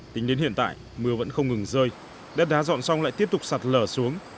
tính đến hiện tại mưa vẫn không ngừng rơi đất đá dọn xong lại tiếp tục sạt lở xuống